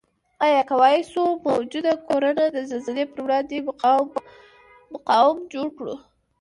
آیا کوای شو موجوده کورنه د زلزلې پروړاندې مقاوم جوړ کړو؟